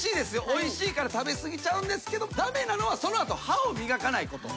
おいしいから食べ過ぎちゃうんですけど駄目なのはその後歯を磨かないこと。